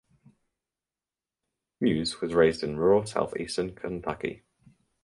Hughes was raised in rural southeastern Kentucky.